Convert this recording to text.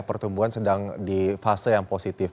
pertumbuhan sedang di fase yang positif